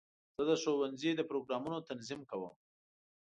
زه د ښوونځي د پروګرامونو تنظیم کوم.